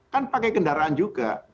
kan pakai kendaraan juga